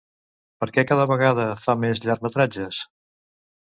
Per què cada vegada fa més llargmetratges?